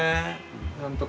なんとか。